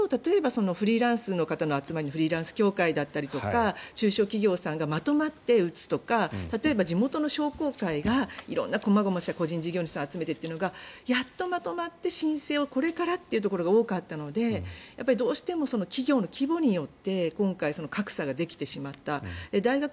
やっと例えばフリーランスの方の集まりのフリーランス協会だとか中小企業さんがまとまって打つとか例えば地元の商工会が色んなこまごました個人事業主さんを集めてというのがやっとまとまって申請をこれからというところが多かったので、どうしても企業の規模によって今回、格差ができてしまった。